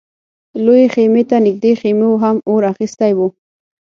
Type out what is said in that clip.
لويې خيمې ته نږدې خيمو هم اور اخيستی و.